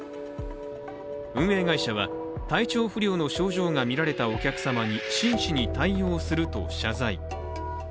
運営会社は体調不良の症状がみられたお客様に真摯に対応すると謝罪。